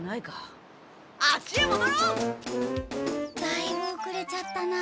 だいぶおくれちゃったな。